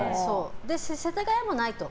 世田谷もないと。